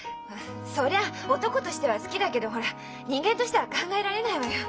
そりゃ男としては好きだけどほら人間としては考えられないわよ。